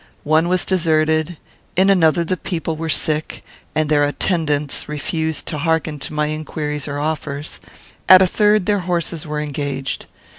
One was deserted; in another the people were sick, and their attendants refused to hearken to my inquiries or offers; at a third, their horses were engaged.